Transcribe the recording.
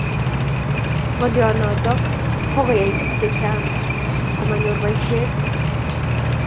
Ngalyo notok ko koyai biik chechang komanyor boishet